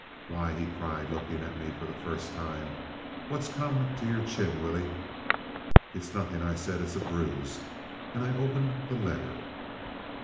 "Why!" he cried, looking at me for the first time, "What's come to your chin, Willie?" "It's nothing," I said. "It's a bruise;" and I opened the letter.